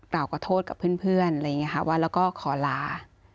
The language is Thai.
กล่าวก็โทษกับเพื่อนแล้วก็ขอลา